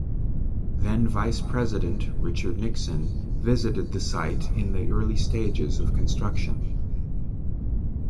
Then Vice President, Richard Nixon, visited the site in the early stages of construction.